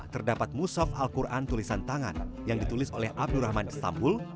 terdapat musaf al quran tulisan tangan yang ditulis oleh abdurrahman istanbul